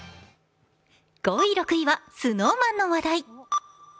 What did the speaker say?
５位、６位はＳｎｏｗＭａｎの話題。